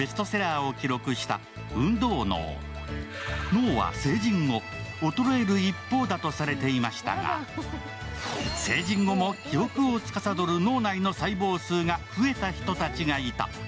脳は成人後、衰える一方だとされていましたが成人後も記憶をつかさどる脳内の細胞数が増えた人たちがいた。